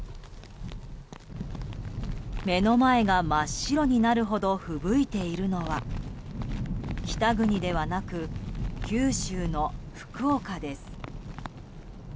目の前が真っ白になるほどふぶいているのは北国ではなく九州の福岡です。